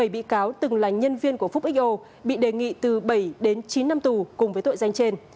bảy bị cáo từng là nhân viên của phúc xo bị đề nghị từ bảy đến chín năm tù cùng với tội danh trên